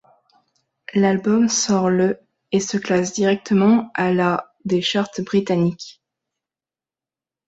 L'album sort le et se classe directement à la des charts britanniques.